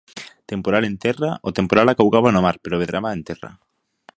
Temporal en terra O temporal acougaba no mar, pero medraba en terra.